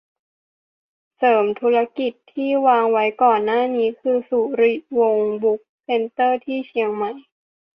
เสริมธุรกิจที่วางไว้ก่อนหน้านี้คือสุริวงศ์บุ๊คเซนเตอร์ ที่เชียงใหม่ ?